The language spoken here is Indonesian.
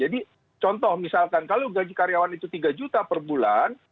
jadi contoh misalkan kalau gaji karyawan itu tiga juta perbulan